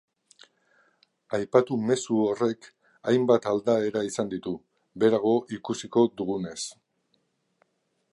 Aipatu mezu horrek hainbat aldaera izan ditu, beherago ikusiko dugunez.